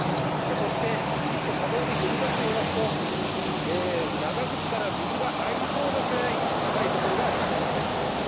そして一歩車道に踏み出してみますと、長靴から水が入りそうなくらい、深い所があります。